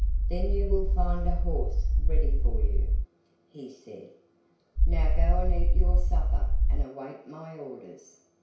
"Then you will find a horse ready for you," he said. "Now go and eat your supper, and await my orders."